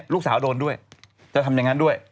ลูกสาวโดนด้วยจะทำอย่างนั้นด้วย